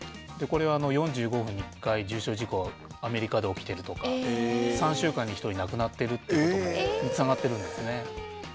これは４５分に１回重傷事故がアメリカで起きてるとか３週間に１人亡くなってるっていうことにつながってるんですね。